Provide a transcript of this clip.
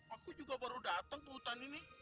aku juga baru datang ke hutan ini